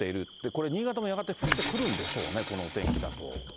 これ、新潟もやがて降ってくるんでしょうね、このお天気だと。